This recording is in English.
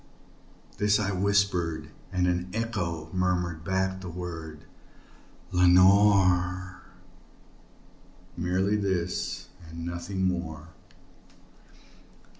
This I whispered, and an echo murmured back the word, "Lenore!" Merely this and nothing more.